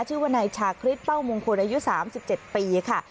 ชื่อว่านายชาคริสเป้ามงคลอายุ๓๗ปีค่ะ